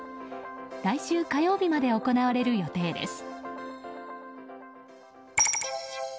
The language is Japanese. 来週火曜日まで行われる予定です。